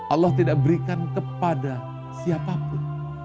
allah tidak berikan kepada siapapun